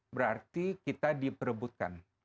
berarti kita diperebutkan